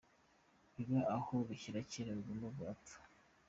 Biba aho bishyize kera Rugomwa arapfa.